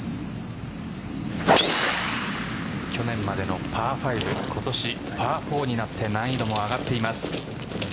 去年までのパー５今年パー４になって難易度も上がっています。